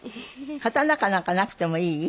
刀かなんかなくてもいい？